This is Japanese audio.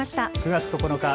９月９日